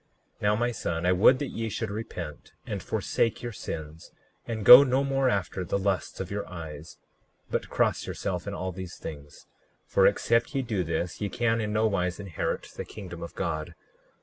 39:9 Now my son, I would that ye should repent and forsake your sins, and go no more after the lusts of your eyes, but cross yourself in all these things; for except ye do this ye can in nowise inherit the kingdom of God.